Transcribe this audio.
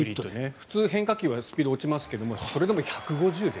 普通、変化球はスピード落ちますけどそれでも１５０ｋｍ出る。